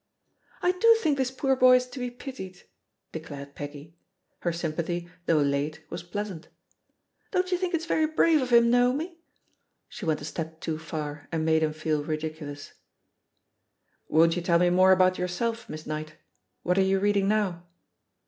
"I do think this poor boy's to be pitied," de clared Peggy. Her sympathy, though late, was pleasant. "Don't you think it's very brave of him, Naomi ?" She went a step too far and made him feel ridiculous. "Won't you tell me more about yourself. Miss Sjiight? What are you reading now?"